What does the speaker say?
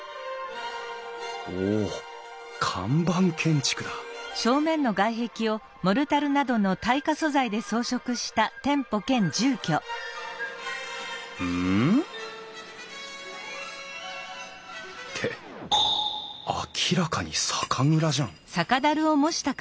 おお看板建築だうん？って明らかに酒蔵じゃん！